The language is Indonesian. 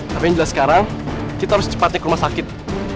tapi yang jelas sekarang kita harus cepatnya ke rumah sakit